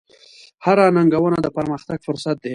هره ننګونه د پرمختګ فرصت دی.